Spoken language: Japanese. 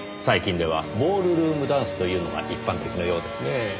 最近ではボールルームダンスと言うのが一般的なようですねぇ。